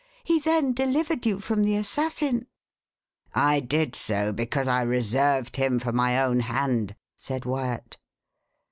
He then delivered you from the assassin." "I did so because I reserved him for my own hand," said Wyat.